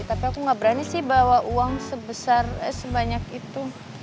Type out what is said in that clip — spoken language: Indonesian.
tapi aku gak berani sih bawa uang sebesar sebanyak itu